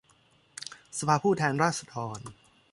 สภาผู้แทนราษฏร